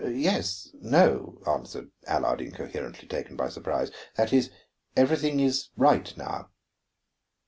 "Yes no," answered Allard incoherently, taken by surprise. "That is, everything is right now."